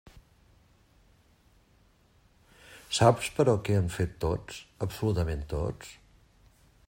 Saps, però, què han fet tots, absolutament tots?